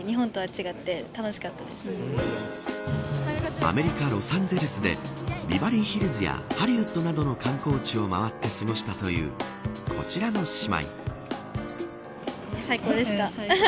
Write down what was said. アメリカ、ロサンゼルスでビバリーヒルズやハリウッドなどの観光地を回って過ごしたというこちらの姉妹。